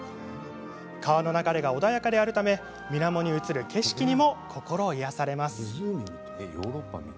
川の流れが穏やかであるためみなもに映る景色にも心癒やされます。